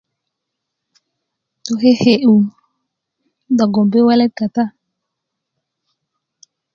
do keke'yu a do gumbi' welet kata